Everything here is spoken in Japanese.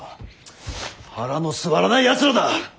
腹の据わらないやつらだ！